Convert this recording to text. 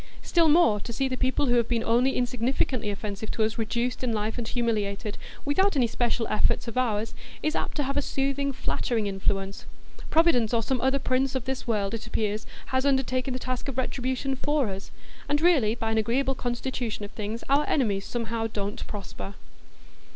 Still more, to see people who have been only insignificantly offensive to us reduced in life and humiliated, without any special effort of ours, is apt to have a soothing, flattering influence. Providence or some other prince of this world, it appears, has undertaken the task of retribution for us; and really, by an agreeable constitution of things, our enemies somehow don't prosper.